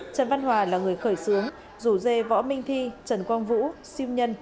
trần văn hòa là người khởi xướng rủ dê võ minh thi trần quang vũ siêu nhân